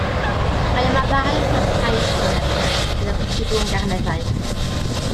Mae yma ddau os nad tair heneb, sydd o bosibl yn garneddau.